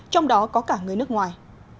trong đó có cả người nước ngoài